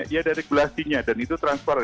ya ada regulasinya dan itu transparan